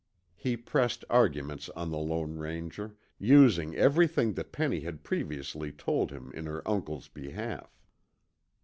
He pressed arguments on the Lone Ranger, using everything that Penny had previously told him in her uncle's behalf.